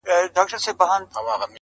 د نرګس او د غاټول له سترګو توی کړل -